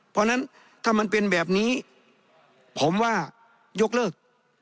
เพราะฉะนั้นถ้ามันเป็นแบบนี้ผมว่ายกเลิก